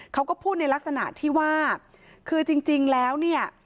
เขาก็พูดในลักษณะที่ว่าคือจริงแล้วเนี่ย